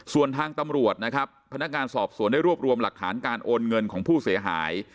ส่วนทางตำรวจนะครับพนักงานสอบสวนได้รวบรวมหลักฐานการโอนเงินของผู้เสียหาย